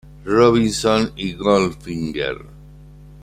Robinson" y "Goldfinger".